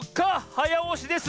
はやおしです。